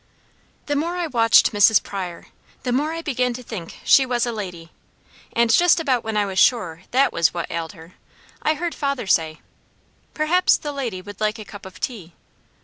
The more I watched Mrs. Pryor, the more I began to think she was a lady; and just about when I was sure that was what ailed her, I heard father say: "Perhaps the lady would like a cup of tea."